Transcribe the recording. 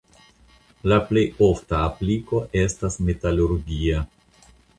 La plej ofta apliko estas metalurgia.